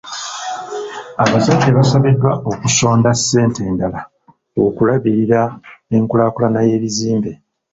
Abazadde basabiddwa okusonda ssente endala okulabirira enkulaakulana y'ebizimbe.